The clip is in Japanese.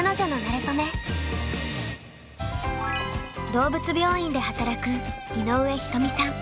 動物病院で働く井上ひとみさん。